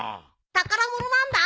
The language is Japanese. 宝物なんだ。